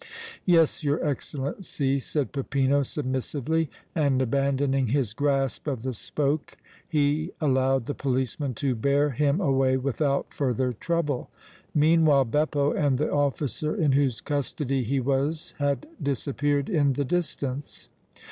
"Yes, your Excellency," said Peppino, submissively, and abandoning his grasp of the spoke he allowed the policeman to bear him away without further trouble. Meanwhile Beppo and the officer in whose custody he was had disappeared in the distance.